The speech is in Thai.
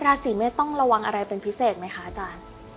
ราศีเมษต้องระวังอะไรเป็นพิเศษไหมคะอาจารย์